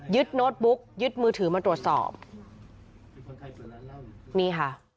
โน้ตบุ๊กยึดมือถือมาตรวจสอบนี่ค่ะ